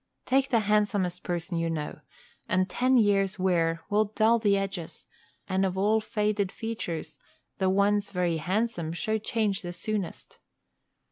Take the handsomest person you know and ten years' wear will dull the edges; and of all faded features, the once very handsome show change the soonest.